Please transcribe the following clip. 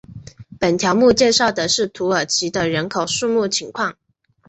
本条目介绍的是土耳其的人口数目情况。